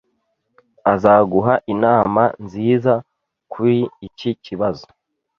Azaguha inama nziza kuri iki kibazo.